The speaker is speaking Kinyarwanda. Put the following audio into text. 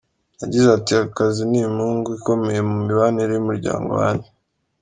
Yagize ati: “Aka kazi ni imungu ikomeye mu mibanire y’umuryango wanjye.